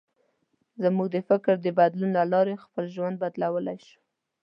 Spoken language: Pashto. موږ د فکر د بدلون له لارې خپل ژوند بدلولی شو.